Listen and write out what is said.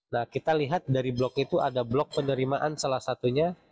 nah kita lihat dari blok itu ada blok penerimaan salah satunya